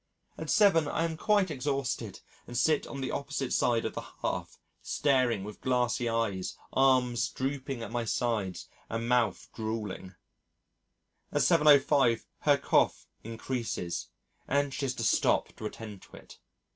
At 7 I am quite exhausted and sit on the opposite side of the hearth, staring with glassy eyes, arms drooping at my sides and mouth druling. At 7.05 her cough increases, and she has to stop to attend to it.